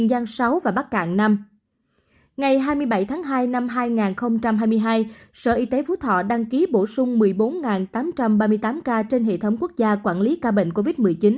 ngày hai mươi bảy tháng hai năm hai nghìn hai mươi hai sở y tế phú thọ đăng ký bổ sung một mươi bốn tám trăm ba mươi tám ca trên hệ thống quốc gia quản lý ca bệnh covid một mươi chín